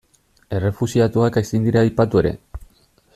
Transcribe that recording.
Errefuxiatuak ezin dira aipatu ere.